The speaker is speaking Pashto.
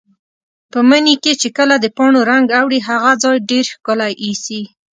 په مني کې چې کله د پاڼو رنګ اوړي، هغه ځای ډېر ښکلی ایسي.